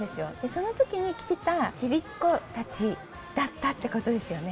そのときに来てたちびっ子たちだったってことですよね？